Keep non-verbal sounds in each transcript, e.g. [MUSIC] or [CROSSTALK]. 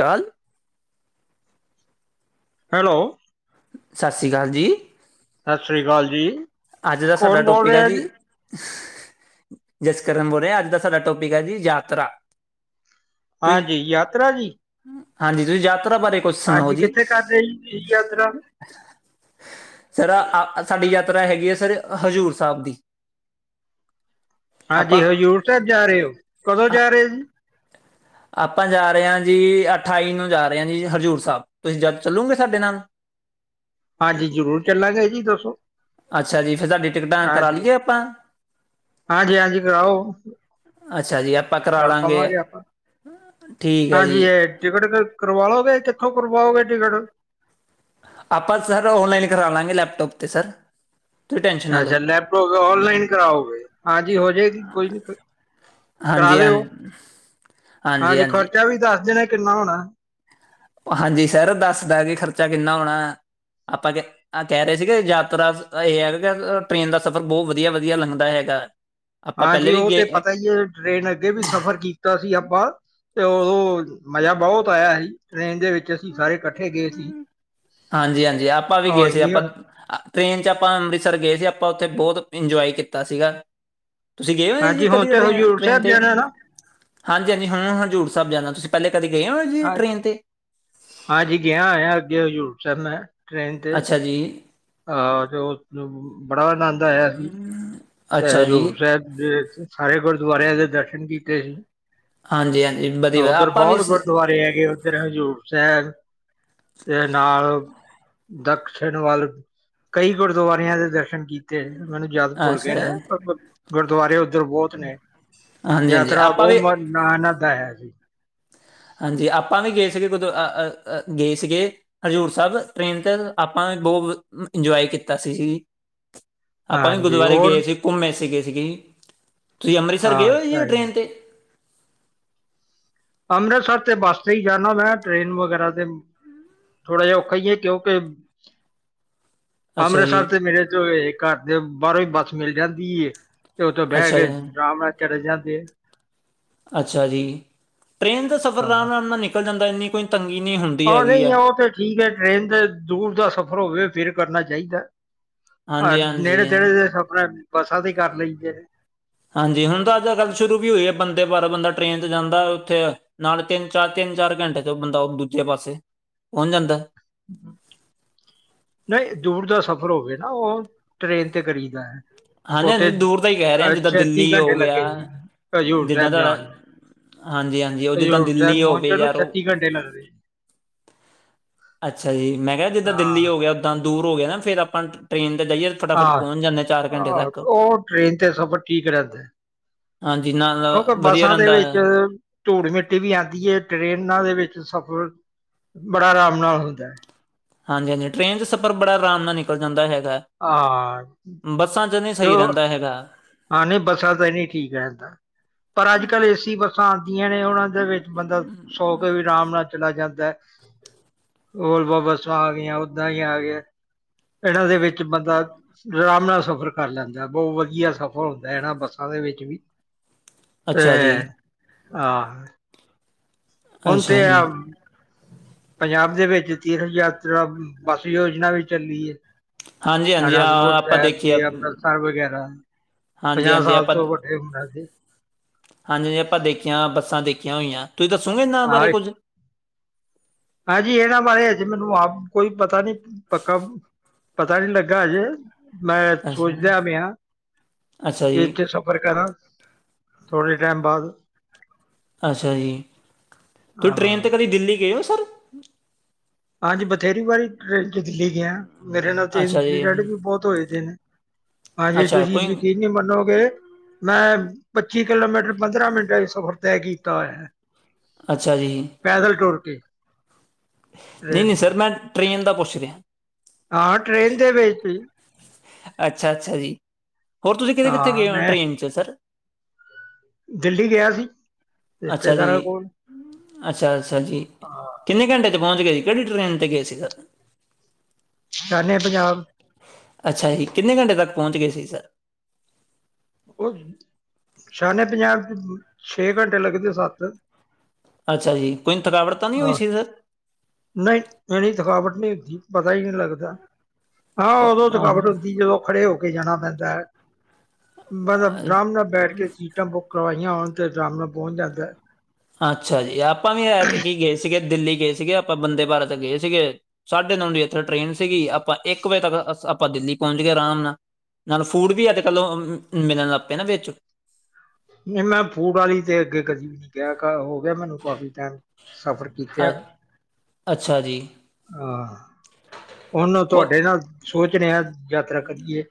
ਦਾਲ hello, ਸਤਿ ਸ੍ਰੀ ਕਾਲ ਜੀ ਸਤਿ ਸ੍ਰੀ ਅਕਾਲ ਜੀ ਅੱਜ ਦਾ ਕੌਣ ਸਾਡਾ ਬੋਲ ਟੋਪਿਕ ਆ ਰਿਹਾ ਜੀ। ਜਸਕਰਨ ਬੋਲ ਰਿਆ ਅੱਜ ਦਾ ਸਾਡਾ ਟੋਪਿਕ ਐ ਜੀ ਯਾਤਰਾ। ਤੁਸੀਂ ਹਾਂਜੀ ਯਾਤਰਾ ਜੀ। ਹਾਂਜੀ, ਤੁਸੀਂ ਯਾਤਰਾ ਬਾਰੇ ਕੁਛ ਸੁਣਾਓ ਹਾਂਜੀ ਜੀ। ਕਿੱਥੇ ਕਰ ਰਹੇ ਜੀ ਯਾਤਰਾ ਸਾਰਾ [UNINTELLIGIBLE] ਆ ਸਾਡੀ ਯਾਤਰਾ ਹੈਗੀ ਹੈ ਸਰ ਹਜ਼ੂਰ ਸਾਹਿਬ ਦੀ ਹਾਂਜੀ ਆਪਾਂ ਹਜ਼ੂਰ ਸਾਹਿਬ ਜਾ ਰਹੇ ਹੋ ਕਦੋਂ ਜਾ ਰਹੇ ਹੋ ਜੀ ਆਪਾਂ ਜਾ ਰਹੇ ਹਾਂ ਜੀ ਅਠਾਈ ਨੂੰ ਜਾ ਰਹੇ ਹਾਂ ਜੀ ਹਜ਼ੂਰ ਸਾਹਿਬ ਤੁਸੀਂ ਜਦ ਚਲੋਂਗੇ ਸਾਡੇ ਨਾਲ ਹਾਂਜੀ ਜ਼ਰੂਰ ਚੱਲਾਂਗੇ ਜੀ ਦੱਸੋ [INAUDIBLE] ਅੱਛਾ ਜੀ ਫਿਰ ਤੁਹਾਡੀ ਟਿਕਟਾਂ ਕਰਾ ਹਾਂਜੀ ਦੇਈ ਏ ਆਪਾਂ ਹਾਂਜੀ ਹਾਂਜੀ ਕਰਾਓ ਅੱਛਾ ਜੀ ਆਪ ਚੱਲ ਪਵਾਂਗੇ ਆਪਾਂ ਠੀਕ ਹੈ ਜੀ ਹਾਂਜੀ ਇਹ ਟਿਕਟ ਕਰਵਾ ਲੋਗੇ ਕਿ ਆਪਾਂ ਸਰ ਔਨਲਾਈਨ ਕਰਾ ਲਾਂਗੇ ਲੈਪਟੋਪ ਤੇ ਸਰ ਤੁਸੀਂ ਟੈਨਸ਼ਨ ਨਾ ਲਓ ਅੱਛਾ ਲੈਪਟੋਪ ਔਨਲਾਈਨ ਕਰਾਓਗੇ ਹਾਂਜੀ ਹੋ ਜਾਏਗੀ ਕੋਈ ਨੀ ਕਰਾ ਹਾਂਜੀ ਹਾਂ ਦਿਓ ਹਾਂਜੀ ਖਰਚਾ ਵੀ ਦੱਸ ਦੇਣਾ ਕਿੰਨਾ ਹੋਣਾ ਹਾਂਜੀ ਸਰ ਦੱਸ ਦਾਂਗੇ ਖਰਚਾ ਕਿੰਨਾ ਹੋਣਾ ਆਪਾਂ ਕਿ ਆਹ ਕਹਿ ਰਹੇ ਸੀ ਕਿ ਯਾਤਰਾ ਇਹ ਹੈਗਾ ਕਿ ਟ੍ਰੇਨ ਦਾ ਸਫ਼ਰ ਬਹੁਤ ਵਧੀਆ ਵਧੀਆ ਲੰਘਦਾ ਹੈਗਾ ਆਪਾਂ ਪਹਿਲੇ ਹਾਂਜੀ ਵੀ ਉਹ ਤੇ ਗਏ ਪਤਾ ਹੀ ਹੈ ਟ੍ਰਰੇਨ ਅੱਗੇ ਵੀ ਸਫ਼ਰ ਕੀ ਕੀਤਾ ਸੀ ਆਪਾਂ ਤੇ ਉਦੋਂ ਮਜ਼ਾ ਬਹੁਤ ਆਇਆ ਸੀ ਟ੍ਰੇਨ ਦੇ ਵਿੱਚ ਅਸੀਂ ਸਾਰੇ ਇਕੱਠੇ ਗਏ ਸੀ ਹਾਂਜੀ ਹਾਂਜੀ ਆਪਾਂ ਵੀ ਗਏ ਸੀ ਆਪਾਂ ਟ੍ਰੇਨ ਚੱ ਆਪਾਂ ਅੰਮ੍ਰਿਤਸਰ ਗਏ ਸੀ ਆਪਾਂ ਉੱਥੇ ਬਹੁਤ ਇੰਜੋਏ ਕੀਤਾ ਸੀਗਾ ਤੁਸੀਂ ਗਏ ਹੋ ਹਾਂਜੀ ਹੁਣ ਕਦੀ ਤੇ ਟ੍ਰੇਨ ਹਜ਼ੂਰ ਟ੍ਰੇਨ ਸਾਹਿਬ ਤੇ ਜਾਣਾ ਨਾ ਹਾਂਜੀ ਹਾਂਜੀ ਹੁਣ ਹਜ਼ੂੂਰ ਸਾਹਿਬ ਜਾਂਦਾ ਤੁਸੀਂ ਪਹਿਲੇ ਕਦੇ ਗਏ ਹੋ ਜੀ ਹਾਂ ਟ੍ਰੇਨ ਤੇ ਹਾਂਜੀ ਗਿਆ ਹੋਇਆ ਅੱਗੇ ਹਜ਼ੂਰ ਸਰਨ [UNINTELLIGIBLE] ਅੱਛਾ ਜੀ ਆਹ ਤੇ ਉਸਨੂੰ ਬੜਾ ਆਨੰਦ ਆਇਆ ਸੀ ਤੇ ਅੱਛਾ ਜੀ ਹਜ਼ੂਰ ਸਾਹਿਬ ਦੇ ਸਾਰੇ ਗੁਰਦੁਆਰਿਆਂ ਦੇ ਦਰਸ਼ਨ ਕੀਤੇ ਸੀ ਹਾਂਜੀ ਹਾਂਜੀ ਵਧੀਆ ਉੱਧਰ ਆਪਾਂ ਵੀ ਬਹੁਤ ਸ- ਗੁਰਦੁਆਰੇ ਹੈਗੇ ਉੱਧਰ ਹਜ਼ੂਰ ਸਾਹਿਬ ਤੇ ਨਾਲ ਦਕਿਸ਼ਣ ਵੱਲ ਕਈ ਗੁਰਦੁਆਰਿਆਂ ਦੇ ਦਰਸ਼ਨ ਕੀਤੇ ਮੈਨੂੰ ਯਾਦ ਭੁੱਲ ਗਏ ਨੇ ਅੱਛਾ ਗੁਰਦੁਆਰੇ ਉੱਧਰ ਬਹੁਤ ਨੇ ਹਾਂਜੀ ਹਾਂਜੀ ਯਾਤਰਾ ਆਪਾਂ ਵੀ ਬਹੁਤ ਆਨੰਦ ਆਇਆ ਸੀ ਹਾਂਜੀ ਆਪਾਂ ਵੀ ਗਏ ਸੀਗੇ ਅ ਅ ਗਏ ਸੀਗੇ ਹਜ਼ੂਰ ਸਾਹਿਬ ਟ੍ਰੇਨ ਤੇ ਆਪਾਂ ਵੀ ਬਹੁਤ ਇੰਜੋਏ ਕੀਤਾ ਸੀ ਸੀ ਆਪਾਂ ਵੀ ਹਾਂਜੀ ਗੁਰਦੁਆਰੇ ਗਏ ਹੋਰ ਸੀ ਘੁੰਮੇ ਸੀ ਗਏ ਸੀਗੇ ਜੀ ਤੁਸੀਂ ਅੰਮ੍ਰਿਤਸਰ ਗਏ ਹਾਂ ਹੋ ਜੀ ਇਹ ਸਹੀ ਟ੍ਰਰੇਨ 'ਤੇ ਅੰਮ੍ਰਿਤਸਰ ਤੇ ਬੱਸ ਤੇ ਹੀ ਜਾਦਾ ਮੈਂ ਟ੍ਰੇਨ ਵਗੈਰਾ ਤੇ ਥੋੜਾ ਜਿ ਔਖਾ ਹੀ ਹੈ ਕਿਉਂਕਿ ਅੱਛਾ ਜੀ ਅੰਮ੍ਰਿਤਸਰ ਤੇ ਮੇਰੇ ਘਰ ਦੇ ਬਾਹਰੋਂ ਹੀ ਬੱਸ ਮਿਲ ਜਾਂਦੀ ਤੇ ਉੱਥੋਂ ਬਹਿ ਅੱਛਾ ਜੀ ਕੇ ਅਰਾਮ ਨਾਲ ਚਲੇੇ ਜਾਂਦੇ ਅੱਛਾ ਜੀ ਟ੍ਰਰੇਨ ਦਾ ਸਫ਼ਰ ਅਰਾਮ ਹਾਂ ਅਰਾਮ ਨਾਲ ਨਿਕਲ ਜਾਂਦਾ ਇੰਨੀ ਕੋਈ ਤੰਗੀ ਨਹੀਂ ਹੁੰਦੀ ਆਹ ਹੈਗੀ ਨਹੀਂ ਆ ਊਹ ਤੇ ਠੀਕ ਏ, ਟ੍ਰਰੇਨ ਦੇ ਦੂਰ ਦਾ ਸਫ਼ਰ ਹੋਵੇ ਫਿਰ ਕਰਨਾ ਚਾਹੀਦਾ। ਅਹ ਹਾਂਜੀ ਹਾਂਜੀ ਨੇੜੇ ਤੇੜੇ ਤੇ ਸਫਰ ਬੱਸਾਂ ਤੇ ਕਰ ਲਈ ਦੇ ਨੇ ਹਾਂਜੀ, ਹੁਨ ਤਾਂ ਅੱਜ ਕੱਲ ਸ਼ੁਰੂ ਵੀ ਹੋਈ ਏ, ਬੰਦੇ ਭਾਰਤ ਬੰਦਾ ਟ੍ਰੇਨ ਤੇ ਜਾਂਦਾ ਉੱਥੇ ਨਾਲੇ ਤਿੰਨ, ਚਾਰ ਤਿੰਨ, ਚਾਰ ਘੰਟੇ ਚੱ ਬੰਦਾ ਉਹ ਦੂਜੇ ਪਾਸੇ ਪਹੁੰਚ ਜਾਂਦਾ ਹੂੰ। [UNINTELLIGIBLE] ਨਹੀਂ ਦੂਰ ਦਾ ਸਫ਼ਰ ਹੋਵੇ ਨਾ, ਉਹ ਟ੍ਰਰੇਨ ਤੇ ਕਰੀਦਾ ਹੈ ਹਾਂਜੀ, ਉੱਥੇ ਹਾਂਜੀ ਦੂਰ ਦਾ ਹੀ ਕਹਿ ਰਹੇ ਅ ਜਿੱਦਾਂ ਛੱਤੀ ਦਿੱਲੀ ਘੰਟੇ ਹੋ ਗਿਆ, ਲੱਗੇ ਸੀ ਹਜ਼ੂਰ ਜਿੱਦਾਂ ਸਾਹਿਬ ਤੁਹਾਡਾ ਜਾਣ ਨੂੰ ਹਾਂਜੀ-ਹਾਂਜੀ ਉ ਜਿੱਦਾ ਹਜ਼ੂਰ ਦਿੱਲੀ ਸਾਹਿਬ ਹੋਵੇ ਪਹੁੰਚਣ ਨੂੰ ਯਾਰ ਔ [UNINTELLIGIBLE] ਅੱਛਾ ਜੀ ਮੈਂ ਕਿਆ ਜਿੱਦਾ ਦਿੱਲੀ ਹਾਂ ਹੋ ਗਿਆ ਉੱਦਾਂ ਦੂਰ ਹੋ ਗਿਆ ਨਾ ਫੇਰ ਆਪਾਂ ਟ੍ਰਰੇਨ 'ਤੇ ਜਾਈਏ ਫਟਾਫਟ ਹਾਂ ਪਹੁੰਚ ਜਾਂਦੇ ਚਾਰ ਘੰਟੇ ਆ ਤੱਕ ਓ ਟ੍ਰੇਨ ਤੇ ਸਫ਼ਰ ਠੀਕ ਰੈਦਾਂ। ਹਾਂਜੀ ਨਾਲ ਕੋਕੇ ਵਧੀਆ ਬੱਸਾਂ ਦੇ ਰਹਿੰਦਾ ਵਿੱਚ ਹੈ ਥੂੜ -ਮਿੱਟੀ ਵੀ ਆਂਦੀ ਏ, ਟਰੇਨਾਂ ਦੇ ਵਿੱਚ ਸਫ਼ਰ ਬੜਾ ਰਾਮ ਨਾਲ ਹੁੰਦਾ। ਹਾਂਜੀ-ਹਾਂਜੀ ਟ੍ਰਰੇਨ 'ਚ ਸਫ਼ਰ ਬੜਾ ਰਾਮ ਨਾਲ ਨਿਕਲ ਜਾਂਦਾ ਹੈਗਾ। ਹਾਂ ਬੱਸਾਂ 'ਚ ਨਈ, ਸਈ ਰੈਦਾਂ ਹੈਗਾ ਆ ਨਈ ਬੱਸਾਂ ਤਾਂ ਨੀ ਠੀ ਕੈਤਾ। ਪਰ ਅੱਜ-ਕੱਲ੍ਹ ਏਸੀ ਬੱਸਾਂ ਆਦੀਆਂ ਨੇ ਉਨਾਂ ਦੇ ਵਿੱਚ ਬੰਦਾ ਸੌ ਕੇ ਵੀ ਰਾਮ ਨਾਲ ਚਲਾ ਜਾਂਦਾ। ਹੋਲ ਬਬ ਬੱਸਾਂ ਆ ਗੀਆਂ, ਓਦਾਂ ਈ ਆ ਗੀਆਂ ਇਨਾਂ ਦੇ ਵਿੱਚ ਬੰਦਾ ਰਾਮ ਨਾਲ ਸਫ਼ਰ ਕਰ ਲੈਂਦਾ, ਬੋਤ ਵਧੀਆ ਸਫ਼ਰ ਹੁੰਦਾ ਇਨਾਂ ਬੱਸਾਂ ਦੇ ਵਿੱਚ ਵੀ। ਅੱਛਾ ਜੀ ਐ ਆਹ ਹੁਨ ਅੱਛਾ ਤੇ ਆ ਜੀ ਪੰਜਾਬ ਦੇ ਵਿੱਚ ਤੀਰਥ ਯਾਤਰਾ ਬੱਸ ਯੋਜਨਾ ਵੀ ਚੱਲੀ ਏ। ਹਾਂਜੀ ਹਾਂਜੀ ਹਾਂ ਅਨੰਦਪੁਰ ਆਪਾਂ ਸਾਹਿਬ ਦੇਖੀਏ ਦੀ, ਅੰਮ੍ਰਿਤਸਰ ਵਗੈਰਾ ਹਾਂਜੀ ਪੰਜਾਹ ਹਾਂਜੀ ਸਾਲ ਆਪਾਂ ਤੋਂ ਵੱ [UNINTELLIGIBLE] ਹਾਂਜੀ ਆਪਾਂ ਦੇਖੀਆਂ ਬੱਸਾਂ ਦੇਖੀਆਂ ਹੋਈਆਂ, ਤੁਸੀਂ ਦੱਸੋਗੇ ਏਨਾਂ ਹਾਂ ਬਾਰੇ ਕੁੱਝ ਹਾਂਜੀ ਏਨਾਂ ਬਾਰੇ ਅਜੇ ਮੈਨੂੰ ਆਪ ਕੋਈ ਪਤਾ ਨੀ ਪੱਕਾ ਪਤਾ ਨੀ ਲੱਗਾ ਅਜੇ ਮੈਂ ਅੱਛਾ, ਸੋਚਦਾ ਪੇਆ, ਅੱਛਾ ਜੀ, ਇੱਥੇ ਸਬ ਫ਼ਰ ਕਰਾਂ ਥੋੜੇ ਟੈਮ ਬਾਅਦ ਅੱਛਾ ਜੀ, ਤੁ ਟਰੇੇਨ ਹਾਂ ਤੇ ਕਦੀ ਦਿੱਲੀ ਗਏ ਔ ਸਰ? ਹਾਂਜੀ ਬਥੇਰੀ ਵਾਰੀ ਟ੍ਰਰੇਨ 'ਚ ਦਿੱਲੀ ਗਿਆ। ਮੇਰੇ ਨਾਲ ਤੇ ਅੱਛਾ ਜੀ, ਇੰਸੀਡੈਂਟ ਵੀ ਬੋਤ ਹੋਏਦੇ ਨੇ ਹਾਂਜੀ ਅੱਛਾ ਤੁਸੀਂ ਕੋਈ ਯਕੀ ਤੁਸੀਂ ਮਨੋਗੇ, ਮੈਂ ਪੱਚੀ ਕਿਲੋਮੀਟਰ ਪੰਦਰਾਂ ਮਿੰਟਾਂ 'ਚ ਸਫ਼ਰ ਤੈਅ ਕੀਤਾ ਹੋਇਯਾ। ਅੱਛਾ ਜੀ। ਪੈਦਲ ਟੂਰ ਕੇ। ਟ੍ਰੇਨ ਨਹੀਂ-ਨਹੀਂ ਪਰ। ਸਰ ਮੈਂ ਟਰੇਨ ਦਾ ਪੁੱਛ ਰਿਹਾ। ਹਾਂ, ਟ੍ਰਰੇਨ ਦੇ ਵੇਚ ਈ। ਅੱਛਾ-ਅੱਛਾ ਜੀ। ਹੋਰ ਤੁਸੀਂ ਕਿਥੇ-ਕਿੱਥੇ ਹਾਂ ਗਏ ਔ ਮੈਂ ਟ੍ਰੇਰਨ 'ਚ ਸਰ? ਦਿੱਲੀ ਗਿਆ ਸੀ, ਅੱਛਾ ਜੀ, ਰਿਸ਼ਤੇਦਾਰਾਂ ਕੋਲ। ਅੱਛਾ-ਅੱਛਾ ਜੀ। ਹਾਂ। ਕਿੰਨੇ ਘੰਟੇ 'ਚ ਪੋਂਚ ਗਏ ਸੀ। ਕੇੜੀ ਟ੍ਰੇਨ ਤੇ ਗਏ ਸੀ ਸਰ? ਸ਼ਾਨੇ-ਪੰਜਾਬ। ਅੱਛਾ ਜੀ। ਕਿੰਨੇ ਘੰਟੇ ਤੱਕ ਪੋਂਚਗੇ ਸੀ ਸਰ? ਓ ਸ਼ਾਨੇ-ਪੰਜਾਬ 'ਚ ਛੇ ਘੰਟੇ ਲੱਗਦੇ ਸੱਤ। ਅੱਛਾ ਜੀ। ਕੋਈ ਥਕਾਵਟ ਤਾਂ ਨੀ ਹੋਈ ਸੀ ਸਰ? ਨਈ ਏਂਨੀ ਥਕਾਵਟ ਨੀ ਹੋਈ ਸੀ ਪਤਾ ਈ ਨੀ ਲੱਗਦਾ। ਹਾਂ ਉਦੋਂ ਥਕਾਵਟ ਹੁਦੀ ਜਦੋਂ ਖੜੇ ਹੋ ਕੇ ਜਾਨਾ ਪੈਂਦਾ। ਮਤਲਬ ਰਾਮ ਨਾਲ ਬੈਠ ਕੇ ਸੀਟਾਂ ਬੁੱਕ ਕਰਵਾਈਆਂ ਹੋਨ ਤੇ ਰਾਮ ਨਾਲ ਪੋਂਚ ਜਾਂਦਾ। ਅੱਛਾ ਜੀ ਆਪਾਂ ਵੀ ਐਤਕੀ ਗਏ ਸੀਗੇ ਦਿੱਲੀ ਗਏ ਸੀਗੇ ਆਪਾਂ ਬੰਦੇ ਭਾਰਤ ਗਏ ਸੀਗੇ। ਸਾਢੇ ਨੌ ਦੀ ਇੱਥੇ ਟ੍ਰੇਰਨ ਸੀਗੀ ਆਪਾਂ ਇੱਕ ਵਜੇ ਤੱਕ ਅਸ ਆਪਾਂ ਦਿੱਲੀ ਪੋਂਚ ਗਏ ਰਾਮ ਨਾਲ। ਨਾਲ ਫੂਡ ਵੀ ਅੱਜ -ਕੱਲ੍ਹ ਮਿਲਨ ਲਗ ਪੇਆ ਨਾ ਵੇਚ। ਨਹੀਂ ਮੈਂ ਫੂਡ ਵਾਲੀ ਤੇ ਅੱਗੇ ਕਦੀ। ਗਿਆ ਕਾ ਹੋ ਗਿਆ ਮੈਨੂੰ ਕਾਫੀ ਟਾਈਮ ਸਫ਼ਰ ਅ ਕੀਤਿਆਂ ਨੂੰ। ਅੱਛਾ ਜੀ ਆਹ, ਉਹਨੂੰ ਹੋ ਤਾਡੇ ਨਾਲ ਸੋਚ ਰਿਹਾਂ, ਯਾਤਰਾ ਕਰੀਏ।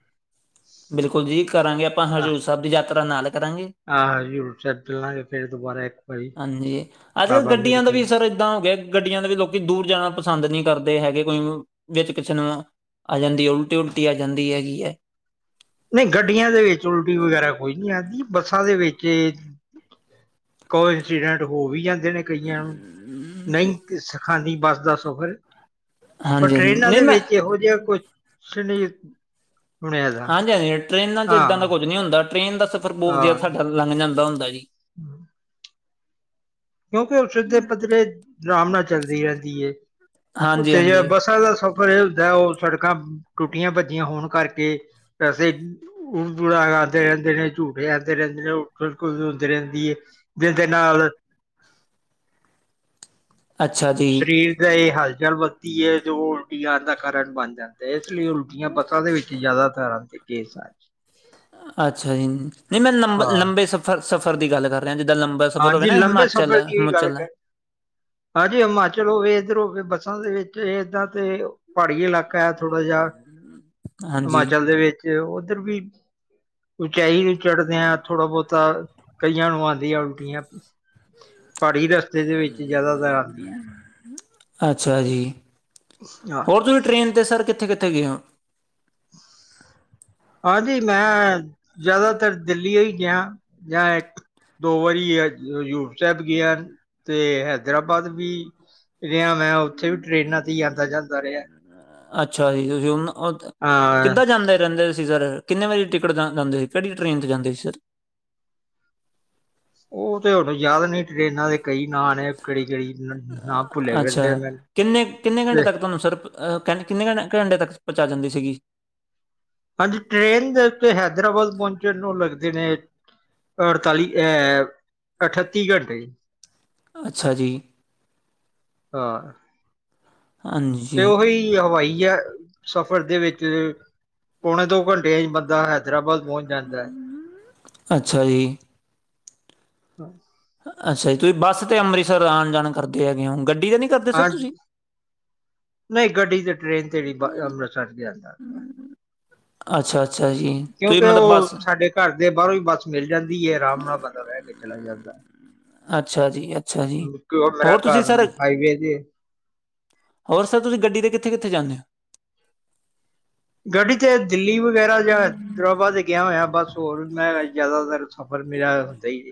ਬਿਲਕੁਲ ਜੀ ਕਰਾਂਗੇ ਆਪਾਂ ਹਜ਼ੂਰ ਸਾਹਿਬ ਦੀ ਯਾਤਰਾ ਨਾਲ ਕਰਾਂਗੇ। ਆਹੋ ਜੀ ਹਜੂਰ ਸਾਹਿਬ ਚੱਲਾਂਗੇ ਫੇਰ ਦੁਬਾਰਾ ਇੱਕ ਵਾਰੀ ਹਾਂਜੀ, ਅੱਜ- ਕੱਲ ਬਾਬਾ ਮੇਹਰ ਗੱਡੀਆਂ ਦਾ ਕਰਨ ਵੀ ਸਰ ਐਦਾਂ ਹੋ ਗਿਆ ਗੱਡੀਆਂ ਦੇ ਵੀ ਲੋਕੀ ਦੂਰ ਜਾਣਾ ਪਸੰਦ ਨਹੀਂ ਕਰਦੇ ਹੈਗੇ, ਕੋਈ ਵਿੱਚ ਕਿਸੇ ਨਾ ਆ ਜਾਂਦੀ, ਉਲਟੀ -ਉਲਟੀ ਆ ਜਾਂਦੀ ਹੈਗੀ ਏ। ਨਹੀਂ ਗੱਡੀਆਂ ਦੇ ਵਿੱਚ ਉਲਟੀ ਵਗੈਰਾ ਕੋਈ ਨਹੀਂ ਆਂਦੀ ਬੱਸਾਂ ਦੇ ਵਿੱਚ ਕੋ ਇੰਸੀਡੈਂਟ ਹੋ ਵੀ ਜਾਂਦੇ ਨੇ ਕਈਆਂ ਨੂੰ, ਨਹੀਂ ਸਿਖਾਂਦੀ ਬੱਸ ਦਾ ਸਫ਼ਰ। ਪਰ ਹਾਂਜੀ ਟਰੇਨਾਂ ਨਹੀਂ ਦੇ ਮੈਂ ਵਿੱਚ ਐਹੋ ਜਿਹਾ ਕੁਛ ਨੀ ਹੁਣ ਹੈਗਾ ਹਾਂਜੀ ਹਾਂਜੀ ਟ੍ਰੇਨਾਂ 'ਚ ਇੱਦਾਂ ਦਾ ਕੁਝ ਨਹੀਂ ਹੁੰਦਾ, ਟ੍ਰੇਨ ਦਾ ਸਫ਼ਰ ਬਹੁਤ ਵਧੀਆ ਹਾਂ ਸਾਡਾ ਲੰਘ ਜਾਂਦਾ ਹੁੰਦਾ ਜੀ। ਕਿਉਂਕਿ ਉਹ ਸਿੱਧਰੇ -ਪੱਧਰੇ ਅਰਾਮ ਨਾਲ ਚੱਲਦੀ ਰਹਿੰਦੀ ਏ, ਹਾਂਜੀ ਉੱਥੇ ਜੇ ਹਾਂਜੀ ਬਸਾਂ ਦਾ ਸਫਰ ਪਰ ਐਹ ਹੁੰਦਾ ਉਹ ਸੜਕਾਂ ਟੁੱਟੀਆਂ -ਭੱਜੀਆਂ ਹੋਣ ਕਰਕੇ, ਵੈਸੇ ਉ ਦੁੜਗਾਉਂਦੇ ਰਹਿੰਦੇ ਨੇ ਝੂਟੇ ਆਉਂਦੇ ਰਹਿੰਦੇ ਨੇ ਉਹ ਕੁਦਕੁਦ ਰਹਿੰਦੀ ਏ। ਜਿਹਦੇ ਨਾਲ ਅੱਛਾ ਜੀ ਸਰੀਰ ਦਾ ਇਹ ਹਲਚਲ ਵਧਦੀ ਏ ਜੋ ਉਲਟੀ ਆਣ ਦਾ ਕਾਰਨ ਬਣ ਜਾਂਦਾ। ਤੇ ਇਸ ਲਈ ਉਲਟੀਆਂ ਬੱਸਾਂ ਦੇ ਵਿੱਚ ਜ਼ਿਆਦਾਤਰ ਆਂਦੀ ਏ ਸਚ ਅੱਛਾ ਜੀ, ਨਹੀਂ ਮੈਂ ਲੰਬੇ, ਹਾਂ ਲੰਬੇ ਸਫ਼ਰ, ਸਫ਼ਰ ਦੀ ਗੱਲ ਕਰ ਜਿੱਦਾਂ ਲੰਬਾ ਸਫ਼ਰ ਹੋਵੇ ਹਾਂਜੀ ਨਾ ਲੰਬੇ ਹਿਮਾਚਲ, ਸਫ਼ਰ ਦੀ ਵੀ ਗੱਲ ਹਿਮਾਚਲ ਦਾ ਕਰ ਹਾਂਜੀ ਹਿਮਾਚਲ ਹੋਵੇ ਇੱਧਰੋਂ ਬੱਸਾਂ ਦੇ ਵਿੱਚ ਏਦਾਂ ਤੇ ਪਹਾੜੀ ਇਲਾਕਾ ਹੈ ਥੋੜ੍ਹਾ ਜਿਹਾ, ਹਾਂਜੀ ਹਿਮਾਚਲ ਦੇ ਵਿੱਚ ਉੱਧਰ ਵੀ ਉਚਾਈ ਵੀ ਚੜ੍ਹਦੇ ਆ ਥੋੜ੍ਹਾ ਬਹੁਤਾ, ਕਈਆਂ ਨੂੰ ਆਂਦੀਆਂ ਉਲਟੀਆਂ। ਪਹਾੜੀ ਰਸਤੇ ਦੇ ਵਿੱਚ ਜ਼ਿਆਦਾਤਰ ਆਂਦੀ ਹੈ ਅੱਛਾ ਜੀ, ਹਾਂ ਹੋਰ ਤੁਸੀਂ ਟ੍ਰੇਨ 'ਤੇ ਸਰ ਕਿੱਥੇ -ਕਿੱਥੇ ਗਏ ਹੋ? [INAUDIBLE] ਹਾਂਜੀ ਮੈਂ, ਜ਼ਿਆਦਾਤਰ ਦਿੱਲੀ ਹੀ ਗਿਆ ਜਾਂ ਇੱਕ ਦੋ ਵਾਰੀ ਹ ਹਜ਼ੂਰ ਸਾਹਿਬ ਗਿਆ ਤੇ ਹੈਦਰਾਬਾਦ ਵੀ ਰਿਹਾ ਮੈਂ, ਉੱਥੇ ਵੀ ਟਰੇਨਾਂ ਤੇ ਆਂਦਾ ਜਾਂਦਾ ਰਿਹਾ। ਅ ਅੱਛਾ ਜੀ, ਤੁਸੀਂ ਹੁਣ ਉਧ ਹਾਂ ਕਿੱਦਾਂ ਜਾਂਦੇ ਰਹਿੰਦੇ ਸੀ, ਸਰ? ਕਿੰਨੇ ਵਜੇ ਟਿਕਟ ਕਰਾਨ ਜਾਂਦੇ ਸੀ, ਕਿਹੜੀ ਟਰੇਨ 'ਤੇ ਜਾਂਦੇ ਸੀ ਸਰ? ਉਹ ਤੇ ਹੁਣ ਯਾਦ ਨੀ ਟਰੇਨਾਂ ਦੀ ਕਈ ਨਾਂ ਨੇ ਕਿਹੜੀ -ਕਿਹੜੀ ਨਾ ਨਾਮ ਭੁੱਲੇ ਅੱਛਾ ਰਹਿੰਦੇ ਮੈਨੂੰ ਕਿੰਨੇ ਕਿੰਨੇ ਘੰਟੇ ਤੇ ਤੱਕ ਤੁਹਾਨੂੰ ਸਿਰਫ ਅਹ ਕ -ਕਿੰਨੇ ਕੂ ਘੰਟੇ ਤੱਕ ਪਹੁੰਚਾ ਦਿੰਦੀ ਸੀਗੀ। ਹਾਂਜੀ ਟਰੇਨ ਦੇ ਉੱਤੇ ਹੈਦਰਾਬਾਦ ਪਹੁੰਚਣ ਨੂੰ ਲੱਗਦੇ ਨੇ ਅੜਤਾਲੀ ਅਐਹ ਅਠੱਤੀ ਘੰਟੇ। ਅੱਛਾ ਜੀ ਆਂ ਤੇ ਹਾਂਜੀ ਉਹੀ ਤੇ ਹਵਾਈ ਜਹਾਜ 'ਚ ਸਫ਼ਰ ਦੇ ਵਿੱਚ ਪੌਣੇ ਦੋ ਘੰਟੇ 'ਚ ਬੰਦਾ ਹੈਦਰਾਬਾਦ ਪਹੁੰਚ ਜਾਂਦਾ, ਅੱਛਾ ਜੀ ਹਾਂ। ਅੱਛਾ ਜੀ ਤੁਸੀਂ ਬੱਸ ਤੇ ਅੰਮ੍ਰਿਤਸਰ ਆਨ-ਜਾਨ ਕਰਦੇ ਹੈਗੇ ਔ ਗੱਡੀ ਤੇ ਨੀ ਹਾਂਜੀ, ਨਹੀਂ ਗੱਡੀ ਤੇ ਟ੍ਰੇਨ ਤੇ ਨੀ ਅੰਮ੍ਰਿਤਸਰ ਜਾਂਦਾ ਅੱਛਾ-ਅੱਛਾ ਜੀ, ਤੁਸੀਂ ਕਿਉਂਕਿ ਮਤਲਬ ਬਸ ਉਹ ਸਾਡੇ ਘਰ ਦੇ ਬਾਹਰੋਂ ਈ ਬੱਸ ਮਿਲ ਜਾਂਦੀ ਏ ਆਰਾਮ ਨਾਲ ਬੰਦਾ ਬਹਿ ਕੇ ਚਲਾ ਜਾਂਦਾ ਅੱਛਾ ਜੀ ਅੱਛਾ ਜੀ ਕਿਉਂ ਮੇਰਾ ਹੋਰ ਤੁਸੀਂ ਘਰ ਸਰ ਹਾਈਵੇ ਤੇ ਹੋਰ ਸਰ ਤੁਸੀਂ ਗੱਡੀ ਤੇ ਕਿੱਥੇ ਕਿੱਥੇ ਜਾਂਨੇ ਔ ਗੱਡੀ ਤੇ ਦਿੱਲੀ ਵਗੈਰਾ ਜਾਂ ਜਾਵਾ ਤੇ ਗੇਆ ਹੋਇਆ ਬਸ ਹੋਰ ਵੀ ਮੈਂ ਜ਼ਿਆਦਾਤਰ ਸਫ਼ਰ ਮੇਰਾ ਹੁੰਦਾ ਈ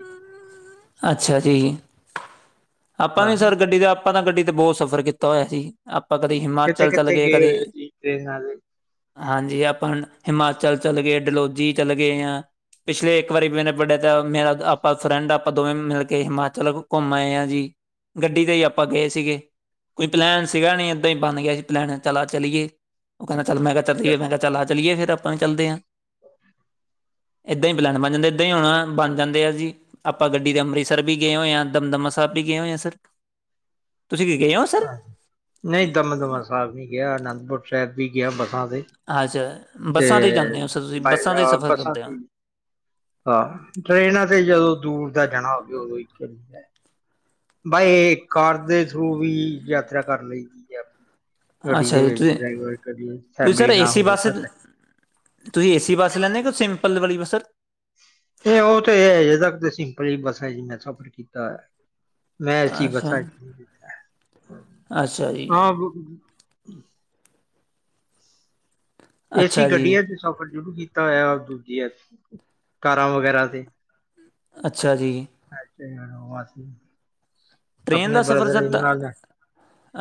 ਅੱਛਾ ਜੀ ਆਪਾਂ ਵੀ ਆਹ ਸਰ ਗੱਡੀ ਦਾ ਆਪਾਂ ਤਾਂ ਗੱਡੀ ਤੇ ਬਹੁਤ ਸਫ਼ਰ ਕੀਤਾ ਹੋਇਆ ਸੀ ਆਪਾਂ ਕਦੇ ਕਿੱਥੇ ਹਿਮਾਚਲ ਚੱਲ ਕਿੱਥੇ ਗਏ ਕਦੇ ਹੋਏ ਤੁਸੀਂ ਟ੍ਰੇਨ ਨਾਲ ਹਾਂਜੀ ਆਪਾਂ ਹਿਮਾਚਲ ਚੱਲੇ ਗਏ ਡਲੋਜੀ ਚੱਲ ਗਏ ਆ ਪਿਛਲੇ ਇੱਕ ਵਾਰੀ ਮਨੇ ਪੜ੍ਹਿਆ ਤਾਂ ਮੇਰਾ ਆਪਾਂ ਫਰੈਂਡ ਆਪਾਂ ਦੋਵੇਂ ਮਿਲ ਕੇ ਹਿਮਾਚਲ ਘੁੰਮ ਆਏ ਆ ਜੀ ਗੱਡੀ ਤੇ ਹੀ ਆਪਾਂ ਗਏ ਸੀਗੇ ਕੋਈ ਪਲੈਨ ਸੀਗਾ ਨਹੀਂ ਏਦਾਂ ਹੀ ਬਨ ਗਿਆ ਸੀ ਪਲੈਨ ਚਲ ਆ ਚਲੀਏ ਉਹ ਕਹਿੰਦਾ ਚੱਲ ਮੈਂ ਕਿਹਾ ਚੱਲਿਏ ਮੈਂ ਕਿਹਾ ਚੱਲ ਆ ਚਲੀਏ ਫਿਰ ਆਪਾਂ ਵੀ ਚੱਲਦੇ ਆ ਏਦਾਂ ਹੀ ਪਲੈਨ ਬਨ ਜਾਂਦਾ ਏਦਾਂ ਹੀ ਹੋਨਾ ਬਨ ਜਾਂਦੇ ਆ ਜੀ, ਆਪਾਂ ਗੱਡੀ ਦੇ ਅੰਮ੍ਰਿਤਸਰ ਵੀ ਗਏ ਹੋਏ ਆ, ਦਮਦਮਾ ਸਾਹਿਬ ਗਏ ਹੋਏ ਆ ਸਰ, ਤੁਸੀਂ ਕੀ ਗਏ ਹੋ ਸਰ ਹਾਂ ਨਹੀਂ ਦਮਦਮਾ ਸਾਹਿਬ ਨਹੀਂ ਗਿਆ, ਅਨੰਦਪੁਰ ਸਾਹਿਬ ਵੀ ਗਿਆ ਬੱਸਾਂ ਤੇ ਅੱਛਾ ਬੱਸਾਂ ਤੇ ਈ ਜਾਂਦੇ ਔ ਸਰ ਤੁਸੀਂ ਬੱਸਾਂ 'ਤੇ ਹੀ ਸਫ਼ਰ ਬੱਸਾਂ ਕਰਦੇ ਔ ਤੇ ਹਾਂ ਟਰੇਨਾਂ ਤੇ ਜਦੋਂ ਦੂਰ ਦਾ ਜਾਨਾ ਹੋਵੇ ਉਦੋਂ ਈ ਚੱਲੀਦਾ ਬਾਐ ਕਾਰ ਦੇ ਥਰੂ ਵੀ ਯਾਤਰਾ ਕਰ ਲਈ ਦੀ ਹੈ ਗੱਡੀ ਅੱਛਾ ਦੇ ਜੀ ਵਿੱਚ ਤੁਸੀਂ ਡਰਾਈਵਰ ਕਦੀ ਤੁਸੀਂ ਸਰ ਫੈਮਿਲੀ ਨਾ ਏਸੀ ਹੋ ਬੱਸ ਖਤ ਤੁਸੀਂ ਏ ਸੀ ਬੱਸ ਲੈਂਨੇ ਔ ਕਿ ਸਿੰਪਲ ਵਾਲੀ ਬੱਸਰ ਤੇ ਇਹ ਉਹ ਤੇ ਇਹ ਅਜੇ ਤੱਕ ਸਿੰਪਲ ਹੀ ਬੱਸਾਂ ਜੀ ਮੈਂ ਸਫ਼ਰ ਕੀਤਾ ਐ ਮੈਂ ਏ-ਸੀ ਅੱਛਾ ਬਸਾ ਚ ਕਿ ਨਹੀਂ ਕੀਤਾ ਐ ਅੱਛਾ ਜੀ ਏਸੀ ਅੱਛਾ ਜੀ ਗੱਡੀਆਂ ਚ ਸਫ਼ਰ ਜਰੂਰ ਕੀਤਾ ਹੋਇਆ ਦੂਜੀਆਂ ਕਾਰਾਂ ਵਗੈਰਾ ਤੇ ਅੱਛਾ ਜੀ ਅੱਛਾ ਟ੍ਰੇਨ ਆਪਨੇ ਦਾ ਸਫ਼ਰ ਬ੍ਰਦਰ ਸਰ ਇਨ ਤਾਂ ਲਾ ਨਾਲ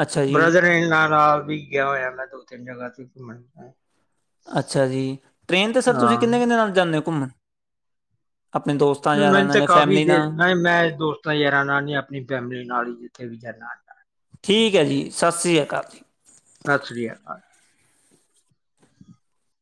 ਅੱਛਾ ਜੀ ਬ੍ਰਦਰ ਇਨ ਲਾ ਨਾਲ ਵੀ ਗਿਆ ਹੋਆ ਮੈਂ ਦੋ ਤਿੰਨ ਜਗਾ ਤੇ ਘੁੰਮਣ ਅੱਛਾ ਜੀ ਟ੍ਰਰੇਨ 'ਤੇ ਸਰ ਤੁਸੀਂ ਹਾਂ ਕਿੰਨੇ-ਕਿੰਨੇ ਨਾਲ ਜਾਂਨੇਔ ਘੁੰਮਣ ਆਪਨੇ ਦੋਸਤਾ ਮੈਨੂੰ ਤਾਂ ਕਾਫ਼ੀ ਦੇਰੀ ਨਹੀ ਮੈਂ ਦੋਸਤਾਂ ਯਾਰ ਨਾਲ ਨੀ ਆਪਣੀ ਫੈਮਿਲੀ ਨਾਲ ਕਿ ਵੀ [UNINTELLIGIBLE] ਠੀਕ ਹੈ ਜੀ ਸਸਿ ਸ਼੍ਰੀ ਅਕਾਲ ਜੀ ਸਸਿ ਸ਼੍ਰੀ ਅਕਾਲ [UNINTELLIGIBLE]